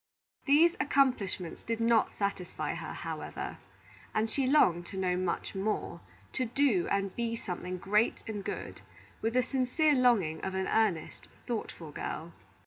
These accomplishments did not satisfy her, however, and she longed to know much more, to do and be something great and good, with the sincere longing of an earnest, thoughtful girl.